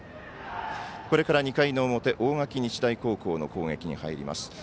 これから２回の表大垣日大高校の攻撃に入ります。